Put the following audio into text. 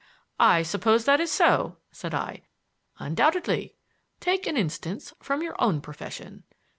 "I suppose that is so," said I. "Undoubtedly. Take an instance from your own profession.